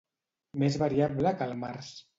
Més variable que el març.